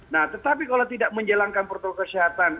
nah tetapi kalau tidak menjalankan protokol kesehatan